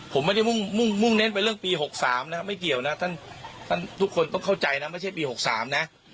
ผมไม่ได้มุ่งเน้นไปเรื่องปี๖๓นะไม่เกี่ยวนะท่านทุกคนต้องเข้าใจนะไม่ใช่ปี๖๓นะ